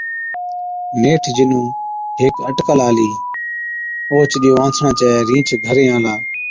نيٺ جِنُون هيڪ اٽڪل آلِي، اوهچ ڏِيئو آنٿڻان چَي رِينڇ گھرين آلا،